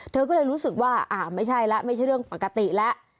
เธอก็เลยรู้สึกว่าอ่าไม่ใช่แล้วไม่ใช่เรื่องปกติแล้ว